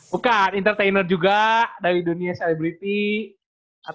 bukan entertainer juga dari dunia selebriti atau gimana